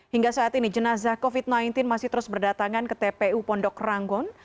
hingga saat ini jenazah covid sembilan belas masih terus berdatangan ke tpu pondok ranggon